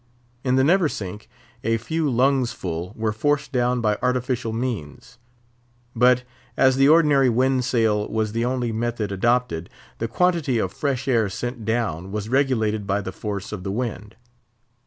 In the Neversink a few lungsful were forced down by artificial means. But as the ordinary wind sail was the only method adopted, the quantity of fresh air sent down was regulated by the force of the wind.